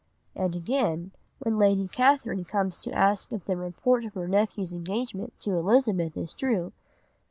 '" And again, when Lady Catherine comes to ask if the report of her nephew's engagement to Elizabeth is true.